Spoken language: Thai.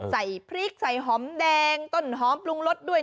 ใส่พริกใส่หอมแดงต้นหอมปรุงรสด้วย